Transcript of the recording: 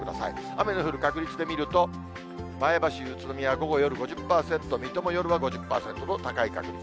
雨の降る確率で見ると、前橋、宇都宮、午後、夜５０％、水戸も夜は５０％と高い確率。